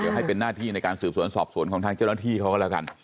เดี๋ยวให้เป็นหน้าที่ในการสืบสวนสอบสวนของทางเจ้าหน้าที่เขาก็แล้วกัน